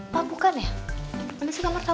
apa bukan ya